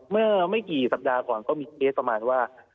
เมื่อไม่กี่สัปดาห์ก่อนก็มีเคสประมาณว่า